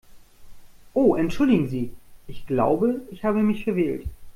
Oh entschuldigen Sie, ich glaube, ich habe mich verwählt.